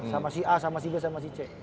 sama si a sama si b sama si c